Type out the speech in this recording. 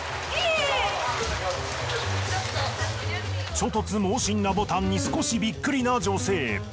猪突猛進なボタンに少しビックリな女性。